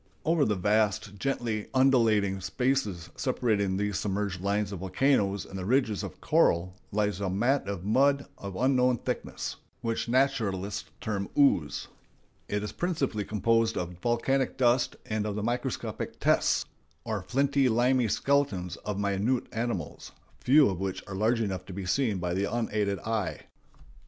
Over the vast, gently undulating spaces separating these submerged lines of volcanoes and the ridges of coral, lies a mat of mud of unknown thickness, which naturalists term "ooze." It is principally composed of volcanic dust and of the microscopic "tests," or flinty limy skeletons of minute animals, few of which are large enough to be seen by the unaided eye.